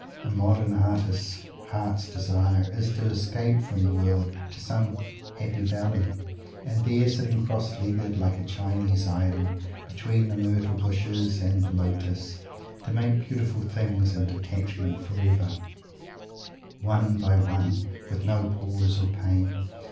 A modern artist's heart's desire is to escape from the world to some "happy valley" and there, sitting cross legged, like a Chinese Idol, between the myrtle bushes and the Lotus, to make beautiful things in detachment forever, one by one, with no pause or pain.